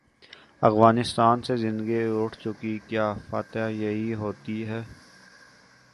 افغانستان سے زندگی روٹھ چکی کیا فتح یہی ہو تی ہے؟